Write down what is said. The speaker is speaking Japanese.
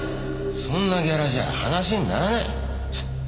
そんなギャラじゃ話にならない。